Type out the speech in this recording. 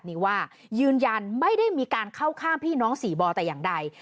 ไม่ได้มีการเข้าข้ามพี่น้องสีบองท์แต่ยังใด